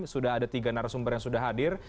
sudah ada tiga narasumber yang sudah hadir